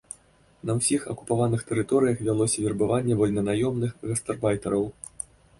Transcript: На ўсіх акупаваных тэрыторыях вялося вербаванне вольнанаёмных гастарбайтараў.